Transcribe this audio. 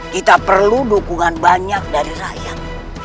kita perlu dukungan banyak dari rakyat